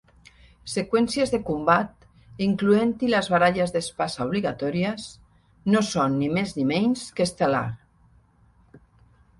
Seqüències de combat, incloent-hi les baralles d'espasa obligatòries, no són ni més ni menys que estel·lar.